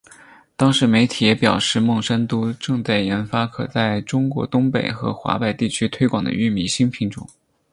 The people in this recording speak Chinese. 当时媒体也表示孟山都正在研发可在中国东北和华北地区推广的玉米新品种。